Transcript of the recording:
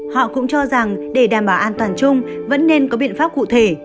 họ cũng cho rằng để đảm bảo an toàn chung vẫn nên có biện pháp cụ thể